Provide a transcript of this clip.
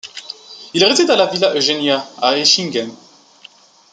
Il réside à la Villa Eugenia à Hechingen.